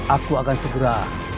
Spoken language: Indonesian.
aku akan segera